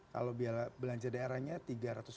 kalau belanja daerahnya tiga ratus ribu